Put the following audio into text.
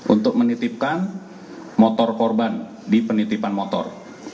untuk menitipkan motor korban di penitipan motor